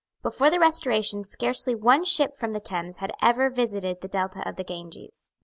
Before the Restoration scarcely one ship from the Thames had ever visited the Delta of the Ganges.